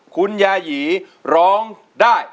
คุณยายีร้องได้